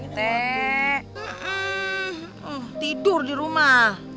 tidur di rumah